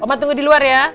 oma tunggu di luar ya